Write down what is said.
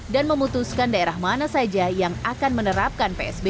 dan memutuskan daerah mana saja yang akan menerapkan psbb